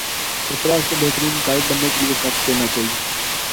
سرفراز کو بہترین قائد بننے کے لیے وقت دینا چاہیے